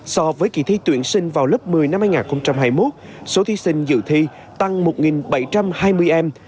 so với kỳ thi tuyển sinh vào lớp một mươi năm hai nghìn hai mươi một số thí sinh dự thi tăng một bảy trăm hai mươi em